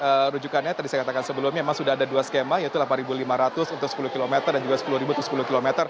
untuk rujukannya tadi saya katakan sebelumnya memang sudah ada dua skema yaitu delapan lima ratus untuk sepuluh km dan juga sepuluh untuk sepuluh km